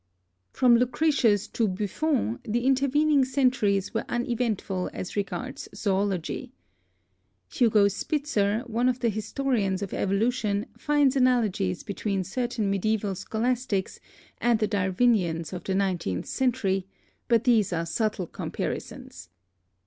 From Lucretius to Buffon the intervening centuries were uneventful as regards zoology. Hugo Spitzer, one of the historians of evolution, finds analogies between ADAPTATION 295 certain medieval scholastics and the Darwinians of the nineteenth century, but these are subtle comparisons.